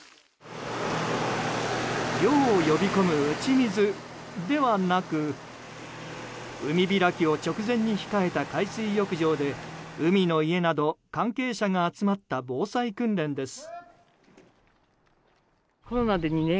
涼を呼び込む打ち水ではなく海開きを直前に控えた海水浴場で海の家など関係者が集まった防災訓練です。